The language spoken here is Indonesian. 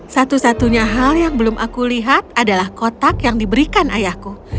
satu satunya hal yang belum aku lihat adalah kotak yang diberikan ayahku